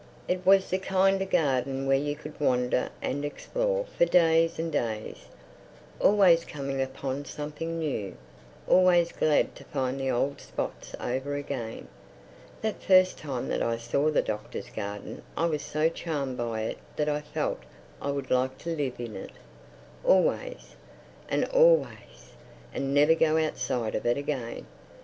It was the kind of a garden where you could wander and explore for days and days—always coming upon something new, always glad to find the old spots over again. That first time that I saw the Doctor's garden I was so charmed by it that I felt I would like to live in it—always and always—and never go outside of it again.